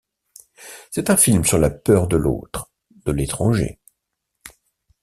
C’est un film sur la peur de l’autre, de l’étranger.